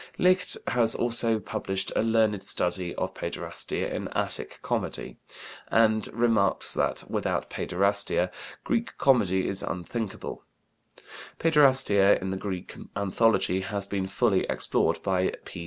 Licht has also published a learned study of paiderastia in Attic comedy (Anthropophyteia, vol. vii, 1910), and remarks that "without paiderastia Greek comedy is unthinkable." Paiderastia in the Greek anthology has been fully explored by P.